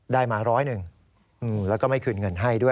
ได้มาร้อยหนึ่งแล้วก็ไม่คืนเงินให้ด้วย